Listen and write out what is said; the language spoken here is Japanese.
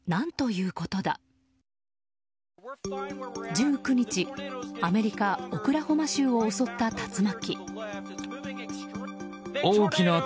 １９日アメリカ・オクラホマ州を襲った竜巻。